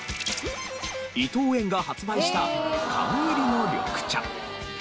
伊藤園が発売した缶入りの緑茶。